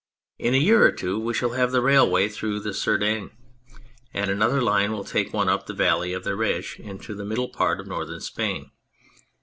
In a year or two we shall have the railway through the Cerdagne, and another line will take one up the Valley of the Ariege into the middle part of Northern Spain.